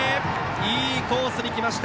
いいコースにきました。